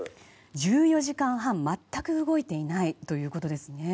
１４時間半、全く動いていないということですね。